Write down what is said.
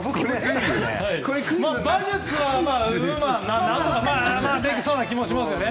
馬術は馬、何とかできそうな気もしますよね。